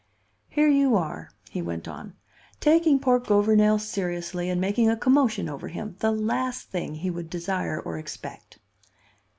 "Here you are," he went on, "taking poor Gouvernail seriously and making a commotion over him, the last thing he would desire or expect."